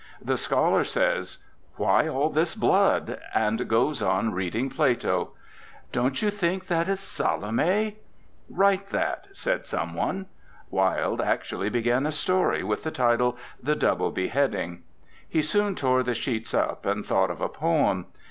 The scholar says, "Why all this blood?" and goes on reading Plato. "Don't you think that is Salome?" ... "Write that!" said someone. Wilde actually began a story with the title "The Double Beheading." He soon tore the sheets up, and thought of a poem.